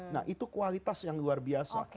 nah itu kualitas yang luar biasa